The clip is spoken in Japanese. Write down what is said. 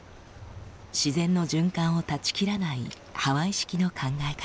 自然の循環を断ち切らないハワイ式の考え方。